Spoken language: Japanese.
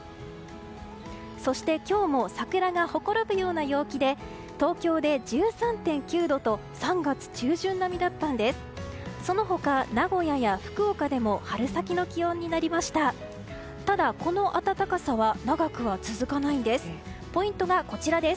そして今日も桜がほころぶような陽気で東京で１３．９度と３月中旬並みだったんです。